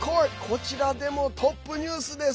こちらでもトップニュースです。